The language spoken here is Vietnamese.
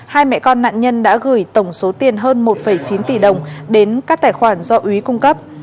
hai mẹ con nạn nhân đã gửi tổng số tiền hơn một chín tỷ đồng đến các tài khoản do úy cung cấp